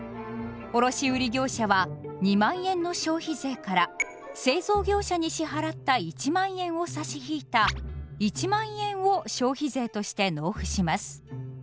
卸売業者は２０，０００円の消費税から製造業者に支払った１０，０００円を差し引いた１０，０００円を消費税として納付します。